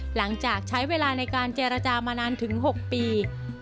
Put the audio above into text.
หลังจากใช้เวลาในการเจรจามานานถึง๖ปี